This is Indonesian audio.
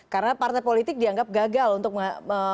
karena partai politik dianggap gagal untuk memunculkan